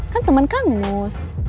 kan temen kang mus